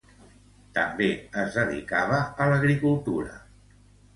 També es dedicava a l'agricultura.